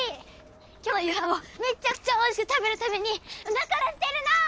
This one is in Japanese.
今日の夕飯をめちゃくちゃおいしく食べるためにおなかすかせてるの。